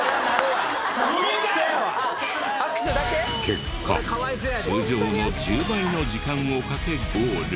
結果通常の１０倍の時間をかけゴール。